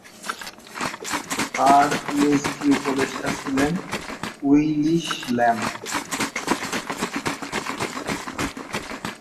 তার পিএইচডি উপদেষ্টা ছিলেন উইলিস ল্যাম্ব।